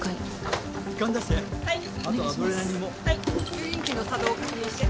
・吸引器の作動を確認して。